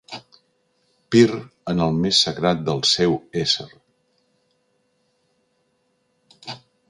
Pir en el més sagrat del seu ésser.